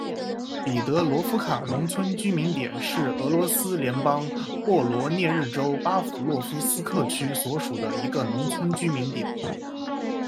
彼得罗夫卡农村居民点是俄罗斯联邦沃罗涅日州巴甫洛夫斯克区所属的一个农村居民点。